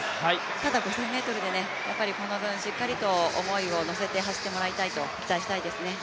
ただ５０００ｍでこの分、しっかりと思いをのせて走ってもらいたいですね。